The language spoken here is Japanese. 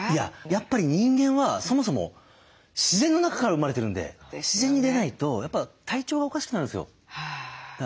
やっぱり人間はそもそも自然の中から生まれてるんで自然に出ないとやっぱ体調がおかしくなるんですよ。